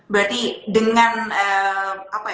berarti dengan apa ya